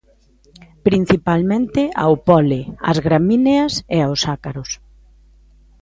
Principalmente ao pole, as gramíneas e aos ácaros.